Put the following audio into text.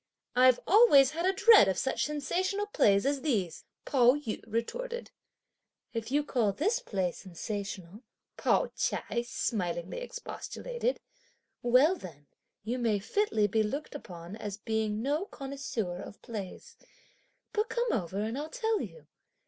"I've always had a dread of such sensational plays as these!" Pao yü retorted. "If you call this play sensational," Pao ch'ai smilingly expostulated, "well then you may fitly be looked upon as being no connoisseur of plays. But come over and I'll tell you.